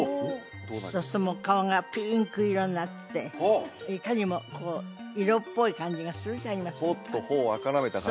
そうするともう顔がピンク色になっていかにもこう色っぽい感じがするじゃありませんかポッと頬を赤らめた感じ